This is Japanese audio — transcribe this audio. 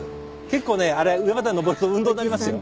結構ねあれ上まで登ると運動になりますよ。